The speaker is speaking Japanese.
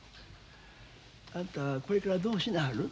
あんたこれからどうしなはる？